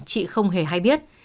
chị không hề hay biết